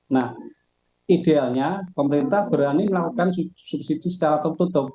nah idealnya pemerintah berani melakukan subsidi secara tertutup